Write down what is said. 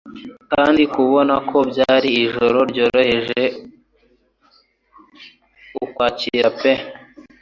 Kandi kubona ko byari ijoro ryoroheje Ukwakira pe